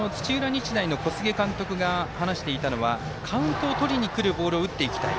日大の小菅監督が話していたのはカウントをとりにくるボールを打っていきたい。